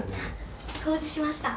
掃除しました。